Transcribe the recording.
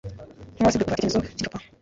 nk uwasibwe kuva icyo cyemezo kigifatwa